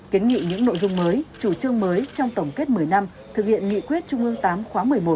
kiến nghị những nội dung mới chủ trương mới trong tổng kết một mươi năm thực hiện nghị quyết trung ương viii khóa một mươi một